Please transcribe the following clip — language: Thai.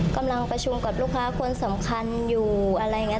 กำลังประชุมกับลูกค้าคนสำคัญอยู่อะไรอย่างนี้